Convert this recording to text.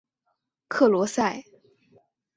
克罗塞。